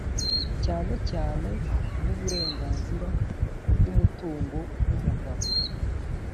cyane cyane nk’uburenganzira ku by’umutungo w’umugabo,